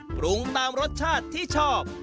ปรุงตามรสชาติที่ชอบ